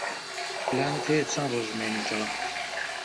پلانت هەیە چەند ڕۆژ بمێنیتەوە؟